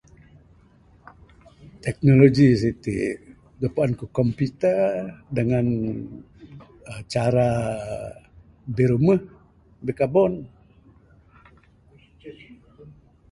Teknologi siti da puan ku computer dangan cara birumeh bikabon